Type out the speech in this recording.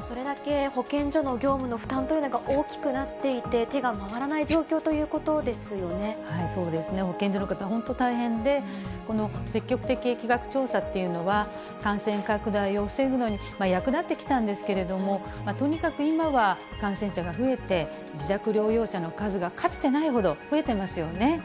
それだけ保健所の業務の負担というのが大きくなっていて、手が回らない状況ということですそうですね、保健所の方、本当、大変で、この積極的疫学調査っていうのは、感染拡大を防ぐのに役立ってきたんですけれども、とにかく今は感染者が増えて、自宅療養者の数がかつてないほど増えていますよね。